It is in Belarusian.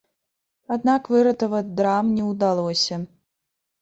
Аднак выратаваць драм не ўдалося.